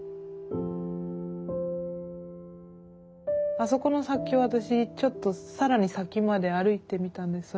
あそこの先を私ちょっと更に先まで歩いてみたんです。